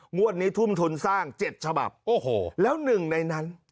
งวดนี้ทุ่มทุนสร้าง๗ฉบับโอ้โหแล้วหนึ่งในนั้น